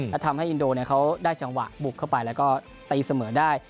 และทำให้อินโดเขาได้จังหวะบุกเข้าไปแล้วก็ตีเสมอได้